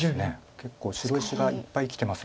結構白石がいっぱいきてます。